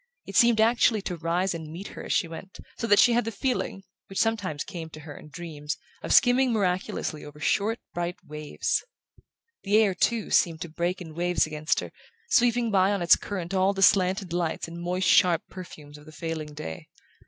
It seemed actually to rise and meet her as she went, so that she had the feeling, which sometimes came to her in dreams, of skimming miraculously over short bright waves. The air, too, seemed to break in waves against her, sweeping by on its current all the slanted lights and moist sharp perfumes of the failing day.